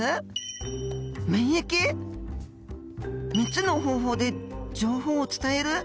３つの方法で情報を伝える？